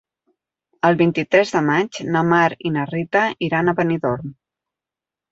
El vint-i-tres de maig na Mar i na Rita iran a Benidorm.